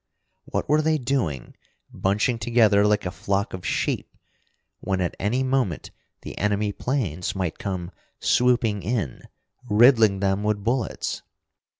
What were they doing, bunching together like a flock of sheep, when at any moment the enemy planes might come swooping in, riddling them with bullets?